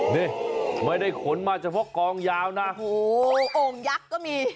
นี่ไม่ได้ขนมาเฉพาะกองยาวนะโอ้โหโอ่งยักษ์ก็มี